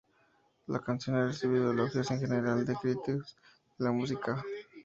La canción ha recibido elogios en general de los críticos de la música.